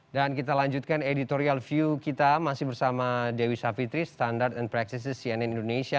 dan kita lanjutkan editorial view kita masih bersama dewi savitri standard and practices cnn indonesia